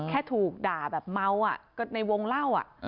แค่ถูกด่าแบบเม้าะก็ในวงเล่า